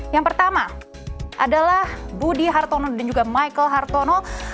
yang pertama adalah budi hartono dan juga michael hartono